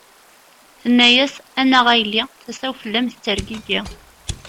Tenna-as: A nnaɣ a yelli, tasa-w fell-am tettergigi.